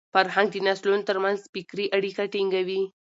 فرهنګ د نسلونو تر منځ فکري اړیکه ټینګوي.